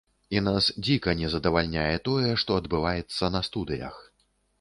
І нас дзіка не задавальняе тое, што адбываецца на студыях.